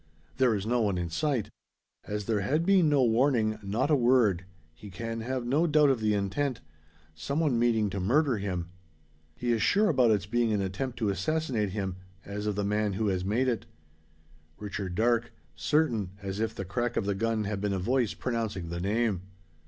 There is no one in sight! As there has been no warning not a word he can have no doubt of the intent: some one meaning to murder him! He is sure about its being an attempt to assassinate him, as of the man who has made it. Richard Darke certain, as if the crack of the gun had been a voice pronouncing the name.